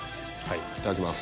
いただきます。